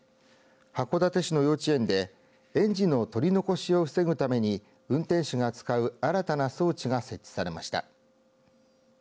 函館市の幼稚園で園児の取り残しを防ぐために運転手が使う新たな装置が設置されました。